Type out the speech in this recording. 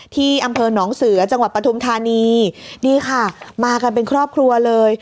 ที่อำเภอหนองเสือจังหวัดปฐุมธานีนี่ค่ะมากันเป็นครอบครัวเลย